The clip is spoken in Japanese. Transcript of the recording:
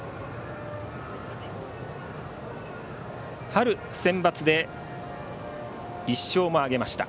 春センバツで１勝も挙げました。